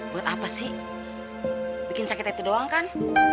buat apa sih bikin sakit itu doang kan